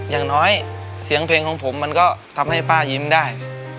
อย่างน้อยเสียงเพลงของผมมันก็ทำให้ป้ายิ้มได้